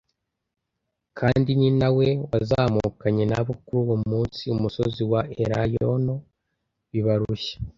kandi ni na we wazamukanye na bo kuri uwo munsi umusozi wa Elayono bibarushya;